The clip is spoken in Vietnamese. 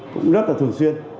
cũng rất là thường xuyên